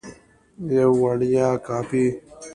یوه وړیا کاپي